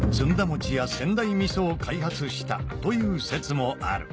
餅や仙台味噌を開発したという説もある